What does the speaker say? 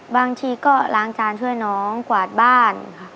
บางทีก็ล้างจานช่วยน้องกวาดบ้านค่ะ